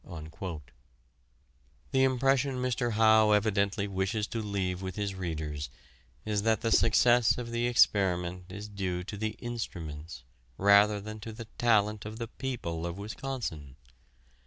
The impression Mr. Howe evidently wishes to leave with his readers is that the success of the experiment is due to the instruments rather than to the talent of the people of Wisconsin.